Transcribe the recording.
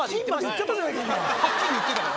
はっきり言ってた。